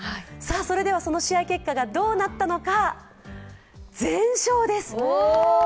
それではその試合結果がどうなったのか、全勝です。